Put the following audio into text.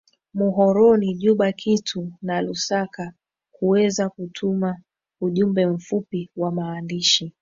mhoroni juba kitu na lusaka kuweza kutuma ujumbe mfupi wa maandishi